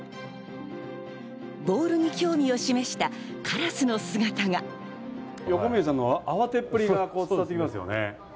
ボールに興味を示したカラス横峯さんの慌てっぷりがうかがえますね。